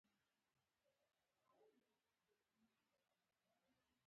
بې لتانۀ غوڅې کړې حافظه د چندڼو ونې